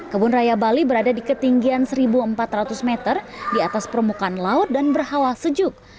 kebun raya bali berada di ketinggian satu empat ratus meter di atas permukaan laut dan berhala sejuk